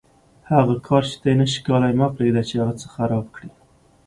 هغه کار چې ته یې نشې کولای مه پرېږده چې هغه څه خراب کړي.